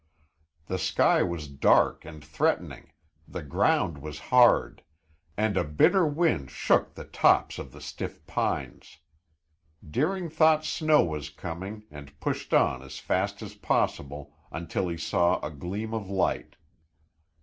The sky was dark and threatening, the ground was hard, and a bitter wind shook the tops of the stiff pines. Deering thought snow was coming and pushed on as fast as possible, until he saw a gleam of light.